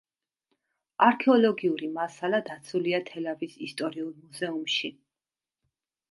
არქეოლოგიური მასალა დაცულია თელავის ისტორიულ მუზეუმში.